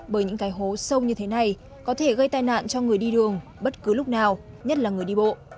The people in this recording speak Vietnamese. bởi những cái hố sâu như thế này có thể gây tai nạn cho người đi đường bất cứ lúc nào nhất là người đi bộ